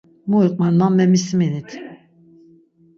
Mu iqven man memisiminit.